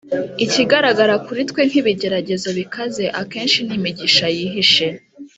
"ikigaragara kuri twe nk'ibigeragezo bikaze akenshi ni imigisha yihishe."